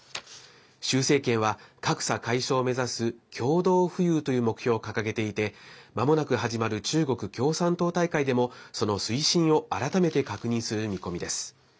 習政権は格差解消を目指す共同富裕という目標を掲げていてまもなく始まる中国共産党大会でもその推進を改めて確認する見込みです。